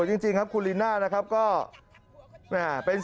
อะขึ้นหน่อยให้พุทธแม่เข้ามาหน่อย